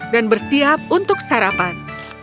dan bersiap untuk sarapan